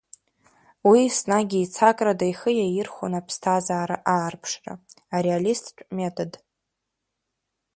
Уи еснагь еицакрада ихы иаирхәон аԥсҭазаара аарԥшра, ареалисттә метод.